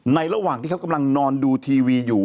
ระหว่างที่เขากำลังนอนดูทีวีอยู่